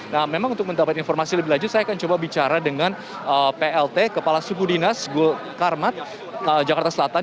nah memang untuk mendapat informasi lebih lanjut saya akan coba bicara dengan plt kepala suku dinas gul karmat jakarta selatan